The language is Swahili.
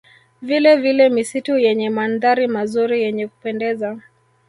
Vilevile misitu yenye mandhari mazuri yenye kupendeza